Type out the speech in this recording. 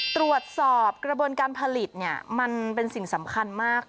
ตรวจสอบกระบวนการผลิตมันเป็นสิ่งสำคัญมาก